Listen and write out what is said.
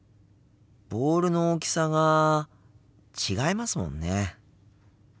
ボールの大きさが違いますもんね。